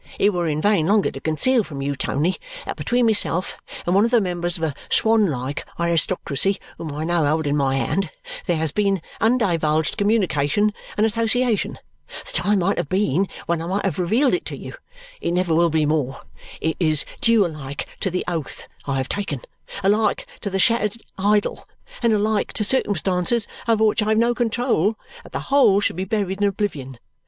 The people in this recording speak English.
It were in vain longer to conceal from you, Tony, that between myself and one of the members of a swan like aristocracy whom I now hold in my hand, there has been undivulged communication and association. The time might have been when I might have revealed it to you. It never will be more. It is due alike to the oath I have taken, alike to the shattered idol, and alike to circumstances over which I have no control, that the whole should be buried in oblivion.